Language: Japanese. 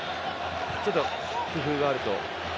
ちょっと工夫があると。